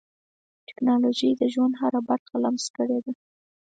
ټکنالوجي د ژوند هره برخه لمس کړې ده.